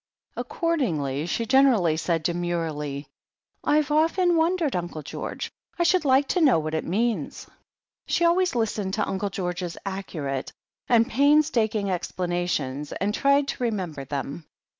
Accordingly, she generally said demurely : "I've often wondered. Uncle George. I should like to know what it means." She always listened to Uncle George's accurate and painstaking explanations and tried to remember them.